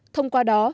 thông qua đó